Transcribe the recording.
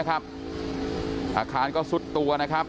อาคารก็ซึดตัว